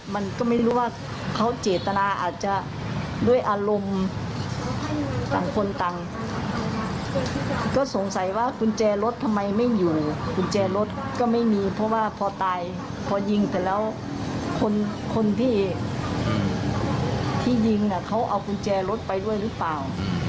มันก็ไม่รู้ว่าเขาเจตนาอาจจะด้วยอารมณ์ต่างคนต่างก็สงสัยว่ากุญแจรถทำไมไม่อยู่กุญแจรถก็ไม่มีเพราะว่าพอตายพอยิงเสร็จแล้วคนที่ยิงเขาเอากุญแจรถไปด้วยหรือเปล่า